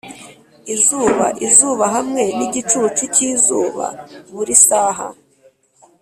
izuba-izuba hamwe nigicucu cyizuba buri saha,